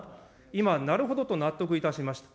今、なるほどと納得いたしました。